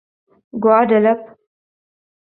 Guadeloupe